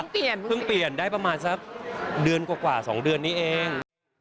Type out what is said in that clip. เพิ่งเปลี่ยนได้ประมาณสักเดือนกว่า๒เดือนนี้เอง